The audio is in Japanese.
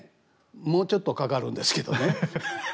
もうちょっとかかるんですけどね。